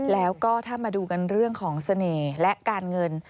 แล้วก็ถ้ามาดูกันเรื่องของเสน่ห์และการเงิน